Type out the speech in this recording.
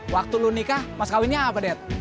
waktu lo nikah mas kawinnya apa dad